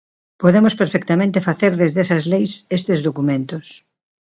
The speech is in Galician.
Podemos perfectamente facer desde esas leis estes documentos.